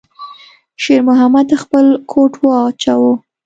شېرمحمد خپل کوټ واچاوه.